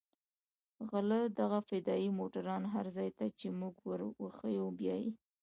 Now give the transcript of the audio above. غله دغه فدايي موټران هر ځاى ته چې موږ وروښيو بيايي.